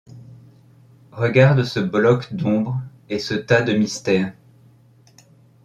Regarde ce bloc d’ombre et ce tas de mystères ;